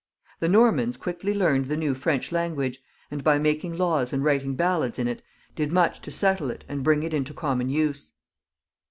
The Normans qiiickly learned the new French language, and by making laws and writing balkds in it, did much to settle it and bring it into common use.